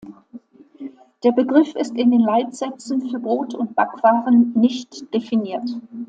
Der Begriff ist in den Leitsätzen für Brot und Backwaren nicht definiert.